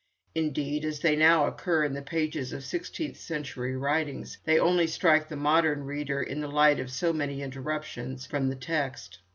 Indeed, as they now occur in the pages of sixteenth century writings, they only strike the modern reader in the light of so many interruptions from the text.